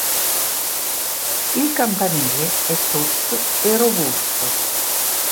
Il campanile è tozzo e robusto.